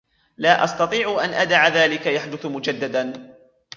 لا أستطيع أن أدع ذلك يحدث مجددا.